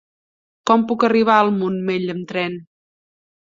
Com puc arribar al Montmell amb tren?